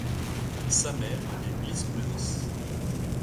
Sa mère est Blismodis.